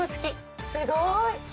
すごい！